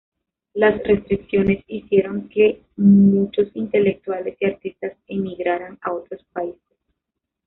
Las restricciones hicieron que muchos intelectuales y artistas emigraran a otros países.